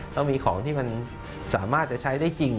ต้องมีของที่มันสามารถจะใช้ได้จริง